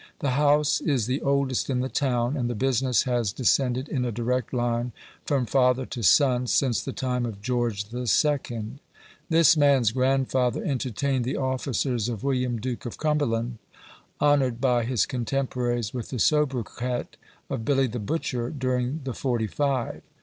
The house is the oldest in the town, and the business has descended in a direct line from father to son since the time of George the Second. This man's grandfather entertained the officers of William Duke of Cumberland, honoured by his contemporaries with the soubriquet of Billy the Butcher, during the "forty five."